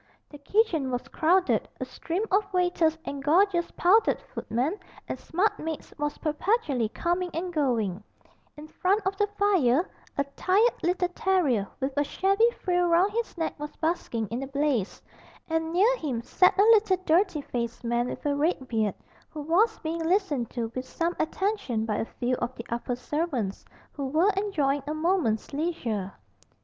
The kitchen was crowded, a stream of waiters and gorgeous powdered footmen and smart maids was perpetually coming and going; in front of the fire a tired little terrier, with a shabby frill round his neck, was basking in the blaze, and near him sat a little dirty faced man with a red beard, who was being listened to with some attention by a few of the upper servants, who were enjoying a moment's leisure.